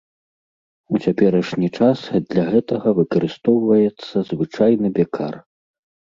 У цяперашні час для гэтага выкарыстоўваецца звычайны бекар.